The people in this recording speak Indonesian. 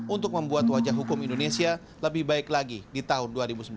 untuk membuat wajah hukum indonesia lebih baik lagi di tahun dua ribu sembilan belas